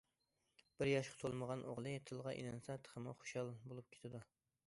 بىر ياشقا تولمىغان ئوغلى تىلغا ئېلىنسا تېخىمۇ خۇشال بولۇپ كېتىدۇ.